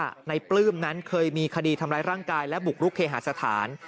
ในปลื้มนั้นเคยมีคดีทำร้ายร่างกายและบุกรุกเคหาสถาน